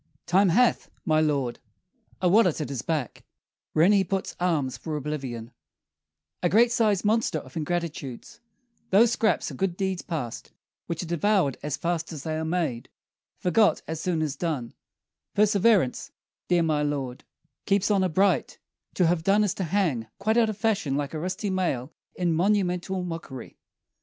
Time hath, my lord, a wallet at his back, Wherein he puts alms for oblivion, A great sized monster of ingratitudes: Those scraps are good deeds past; which are devoured As fast as they are made, forgot as soon As done: perseverance, dear my lord, Keeps honor bright: to have done, is to hang Quite out of fashion, like a rusty mail In monumental mockery.